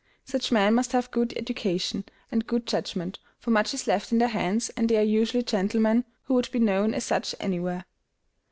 Such men must have good education, and good judgment; for much is left in their hands, and they are usually gentlemen, who would be known as such anywhere.